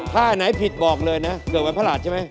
ถ้าไหนผิดบอกเลยนะเกิดวันพระหัสใช่ไหม